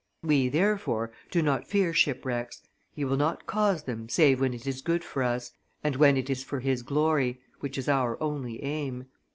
We, therefore, do not fear shipwrecks; He will not cause them save when it is good for us, and when it is for His glory, which is our only aim.